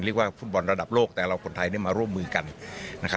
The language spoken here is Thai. เรียกว่าฟุตบอลระดับโลกแต่เราคนไทยได้มาร่วมมือกันนะครับ